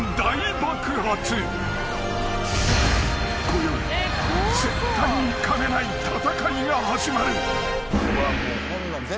［こよい絶対にかめない戦いが始まる］